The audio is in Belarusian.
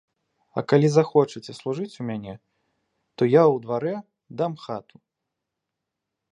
А калі захочаце служыць у мяне, то я ў дварэ дам хату.